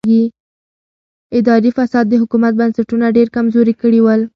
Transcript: اداري فساد د حکومت بنسټونه ډېر کمزوري کړي ول.